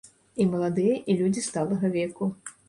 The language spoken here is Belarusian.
І маладыя, і людзі сталага веку.